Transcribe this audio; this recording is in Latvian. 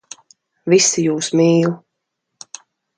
Visi jūs mīl.